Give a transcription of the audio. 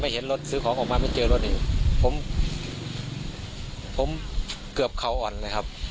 เห็นรถซื้อของออกมาไม่เจอรถนี่ผมผมเกือบเขาอ่อนเลยครับ